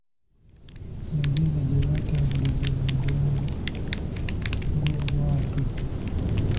Yagenda gye batambuliza emigongo ng'obwato.